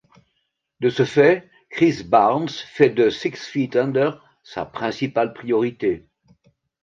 De ce fait, Chris Barnes fait de Six Feet Under sa principale priorité.